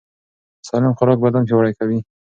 سالم خوراک بدن پیاوړی کوي.